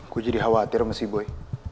gue jadi khawatir sama si boy